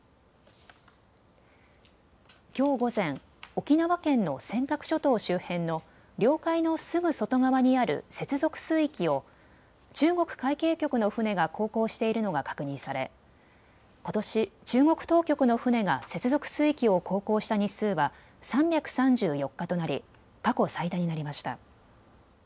きょう午前、沖縄県の尖閣諸島周辺の領海のすぐ外側にある接続水域を中国海警局の船が航行しているのが確認されことし中国当局の船が接続水域を航行した日数は３３４日となり過去最多になりました。